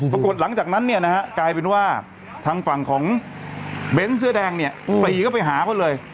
ปรากฏหลังจากนั้นเนี่ยนะฮะกลายเป็นว่าทางฝั่งของเบ้นเสื้อแดงเนี่ยปรีเข้าไปหาเขาเลย